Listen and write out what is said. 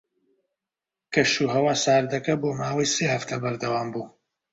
کەشوهەوا ساردەکە بۆ ماوەی سێ هەفتە بەردەوام بوو.